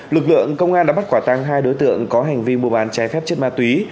lực lượng công an đã bắt quả tăng hai đối tượng có hành vi mua bán trái phép chất ma túy